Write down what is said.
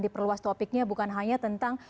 diperluas topiknya bukan hanya tentang